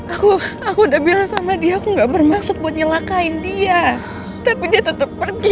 aku aku udah bilang sama dia aku nggak bermaksud buat nyelakain dia tetep pergi